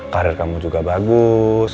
karir kamu juga bagus